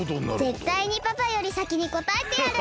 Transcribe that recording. ぜったいにパパよりさきにこたえてやる！